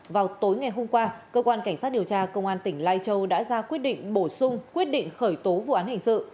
vào tối ngày hôm qua cơ quan cảnh sát điều tra công an tỉnh lai châu đã ra quyết định bổ sung quyết định khởi tố vụ án hình sự